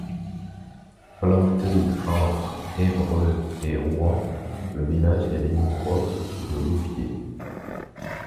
Planté entre Évreux et Rouen, le village est limitrophe de Louviers.